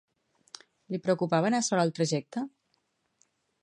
Li preocupava anar sol al trajecte?